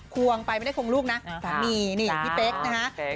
วงไปไม่ได้คงลูกนะสามีนี่พี่เป๊กนะฮะ